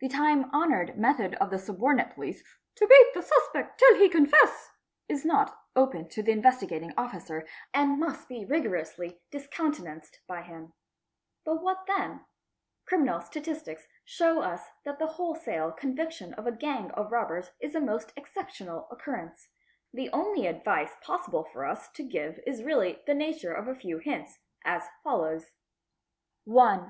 The time honoured method of the subordinate police, "to beat the st 34 | DACOITY 759 _.pect till he confess '', is not open to the Investigating Officer and must be rigorously discountenanced by him. But what then? Criminal statistics show us that the wholesale conviction of a gang of robbers is a most exceptional occurrence. The only advice possible for us to give is really q in the nature of a few hints, as follows :— 1.